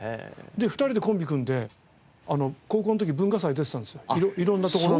２人でコンビ組んで高校の時文化祭出てたんですよ色んな所の。